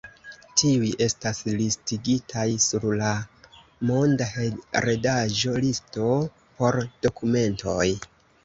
Tiuj estas listigitaj sur la monda heredaĵo-listo por dokumentoj.